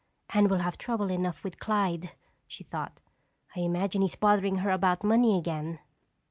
"Anne will have trouble enough with Clyde," she thought. "I imagine he's bothering her about money again."